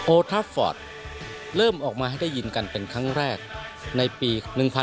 ทัฟฟอร์ตเริ่มออกมาให้ได้ยินกันเป็นครั้งแรกในปี๑๕